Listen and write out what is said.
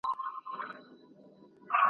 نن به د ایپي د مور چل هېره مرمۍ څه وايي !.